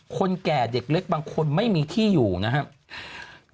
คนแก่เด็กเล็กบางคนไม่มีที่อยู่นะครับ